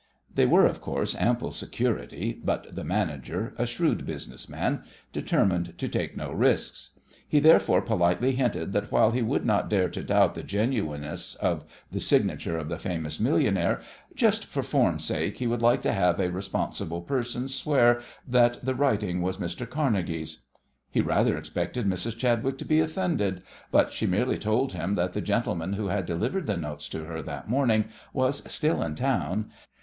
They were, of course, ample security, but the manager, a shrewd business man, determined to take no risks. He, therefore, politely hinted that while he would not dare to doubt the genuineness of the signature of the famous millionaire, "just for form's sake," he would like to have a responsible person swear that the writing was Mr. Carnegie's. He rather expected Mrs. Chadwick to be offended, but she merely told him that the gentleman who had delivered the notes to her that morning was still in town.